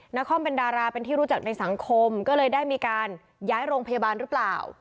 นครเป็นดาราเป็นที่รู้จักในสังคมก็เลยได้มีการย้ายโรงพยาบาลหรือเปล่า